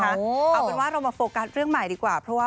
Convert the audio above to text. เอาเป็นว่าเรามาโฟกันเรื่องใหม่ดีกว่า